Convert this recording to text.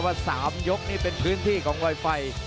ว่า๓ยกนี่เป็นพื้นที่ของรอยไฟ